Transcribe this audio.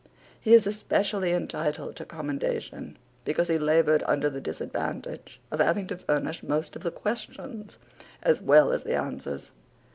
He is especially entitled to commendation because he laboured under the disadvantage of having to furnish most of the questions as well as the answers.